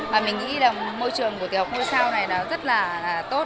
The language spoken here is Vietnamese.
mà mình nghĩ là môi trường của trường học ngôi sao này nó rất là tốt